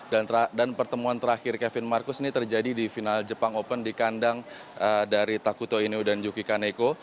dan pertemuan terakhir kevin marcus ini terjadi di final jepang open di kandang dari takuto inoue dan yuki kaneko